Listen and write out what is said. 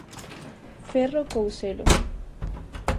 Ferro Couselo.